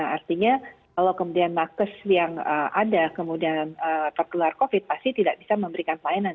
artinya kalau kemudian nakes yang ada kemudian tertular covid pasti tidak bisa memberikan pelayanan